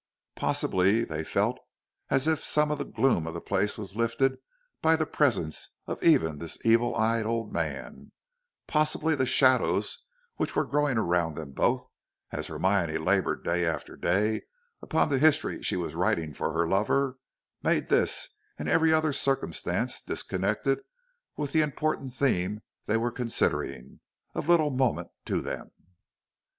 Possibly they felt as if some of the gloom of the place was lifted by the presence of even this evil eyed old man; and possibly the shadows which were growing around them both, as Hermione labored day after day upon the history she was writing for her lover, made this and every other circumstance disconnected with the important theme they were considering, of little moment to them.